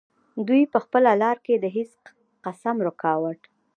دوي پۀ خپله لاره کښې د هيڅ قسم رکاوټ